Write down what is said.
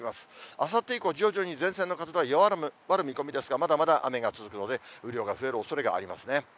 あさって以降、徐々に前線の活動は弱まる見込みですが、まだまだ雨が続くので、雨量が増えるおそれがありますね。